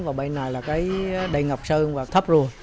và bên này là cái đầy ngập sơn và thấp ruồn